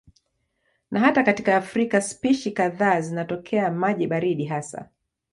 Na hata katika Afrika spishi kadhaa zinatokea maji baridi hasa.